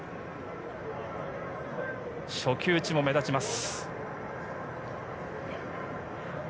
初球打ちも目立ちます。